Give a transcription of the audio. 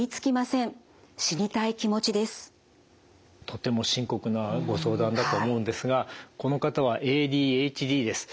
とても深刻なご相談だと思うんですがこの方はＡＤＨＤです。